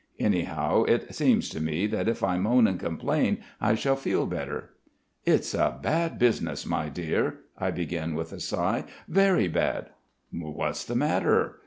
Anyhow it seems to me that if I moan and complain I shall feel better. "It's a bad business, my dear," I begin with a sigh. "Very bad." "What is the matter?"